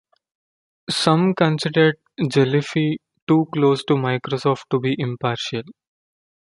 Some considered Jelliffe too close to Microsoft to be impartial.